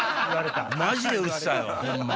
マジでうるさいわホンマ